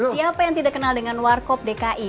siapa yang tidak kenal dengan warkop dki